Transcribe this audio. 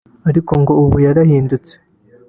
ariko ngo ubu yarahindutse